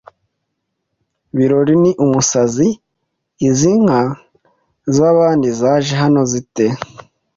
Biraro ni umusazi, izi nka z' abandi zaje hano zite